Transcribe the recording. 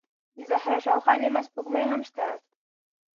د زهره شاوخوا نیمه سپوږمۍ هم شته.